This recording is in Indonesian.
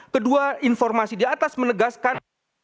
kedua informasi di atas menegaskan